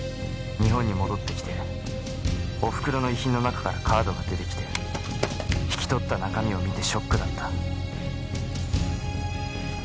日本に戻ってきてお袋の遺品の中からカードが出てきて引き取った中身を見てショックだった。